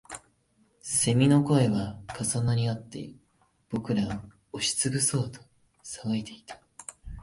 蝉の声は重なりあって、僕らを押しつぶそうと騒いでいた